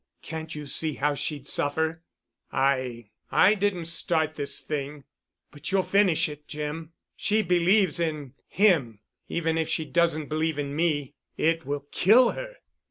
Can't you see how she'd suffer?" "I—I didn't start this thing——" "But you'll finish it, Jim. She believes in him, even if she doesn't believe in me. It will kill her."